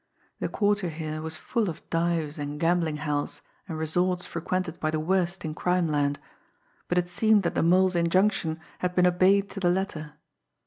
The quarter here was full of dives and gambling hells and resorts frequented by the worst in crimeland but it seemed that the Mole's injunction had been obeyed to the letter!